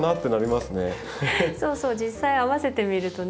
そうそう実際合わせてみるとね。